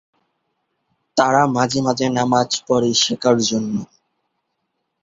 তারা মাঝে মাঝে নামায পড়ে শেখার জন্য।